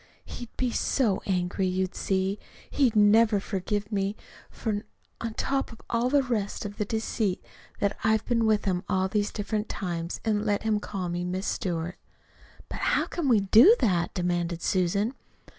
He'd be so angry, you see. He'd never forgive me, for on top of all the rest is the deceit that I've been with him all these different times, and let him call me 'Miss Stewart.'" "But how can we do that?" demanded Susan.